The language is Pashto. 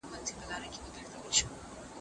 که سپي وچیچلو سمدستي ډاکټر ته لاړ شئ.